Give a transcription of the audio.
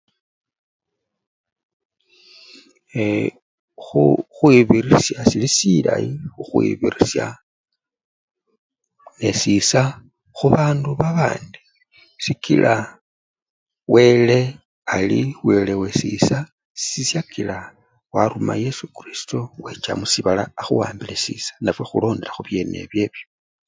Eee! khukhwibirisya sili! sili silayi khukhwibirisya nesisa khubandu babandi sikila wele ali wele wesisa sisyakila waruma yesu kristo wecha musibala akhuwambile sisa nafwe khulonda khubyene ebyobyo.